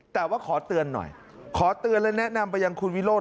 แต่ว่าขอเตือนหน่อยขอเตือนและแนะนำไปยังคุณวิโรธ